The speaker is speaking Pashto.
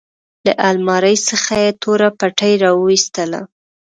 له المارۍ څخه يې توره پټۍ راوايستله.